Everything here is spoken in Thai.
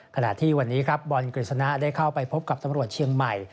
ขณะที่วันนี้ครับบอลกฤษณะได้เข้าไปพบกับตำรวจเชียงใหม่